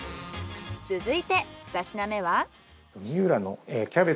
続いて２品目は？